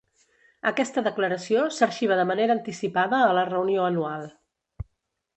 Aquesta declaració s"arxiva de manera anticipada a la reunió anual.